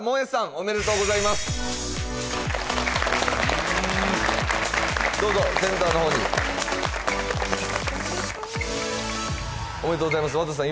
おめでとうございますどうぞセンターのほうにおめでとうおめでとうございます和多田さん